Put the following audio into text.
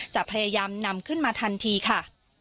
จะพยายามนำขึ้นมาทันทีค่ะ